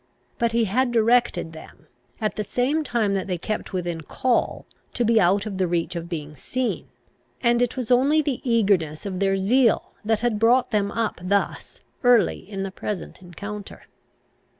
But he had directed them, at the same time that they kept within call, to be out of the reach of being seen; and it was only the eagerness of their zeal that had brought them up thus early in the present encounter.